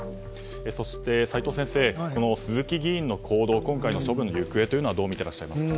そして、齋藤先生鈴木議員の行動今回の処分の行方どう見ていますか。